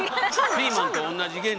ピーマンと同じ原理。